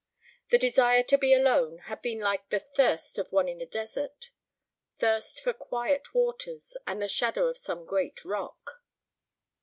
The desire to be alone had been like the thirst of one in a desert—thirst for quiet waters and the shadow of some great rock.